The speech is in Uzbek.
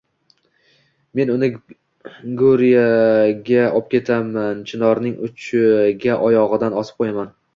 Men uni Guriyaga opketaman, chinorning uchiga oyogʻidan osib qoʻyaman.